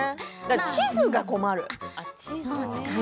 地図が困る。